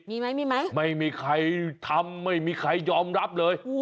มีไหมมีไหมไม่มีใครทำไม่มีใครยอมรับเลย